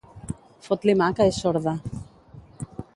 Fot-li mà que és sorda.